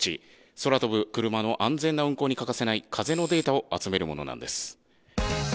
空飛ぶクルマの安全な運航に欠かせない風のデータを集めるものなんです。